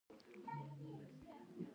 دوی امنیت او قانون ساتي.